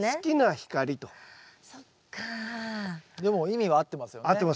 でも意味は合ってますよね。